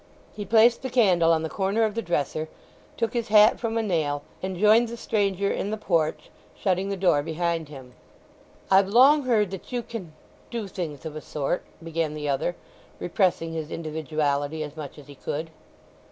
He placed the candle on the corner of the dresser, took his hat from a nail, and joined the stranger in the porch, shutting the door behind him. "I've long heard that you can—do things of a sort?" began the other, repressing his individuality as much as he could.